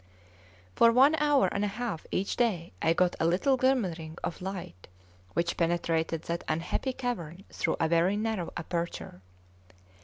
For one hour and a half each day I got a little glimmering of light, which penetrated that unhappy cavern through a very narrow aperture.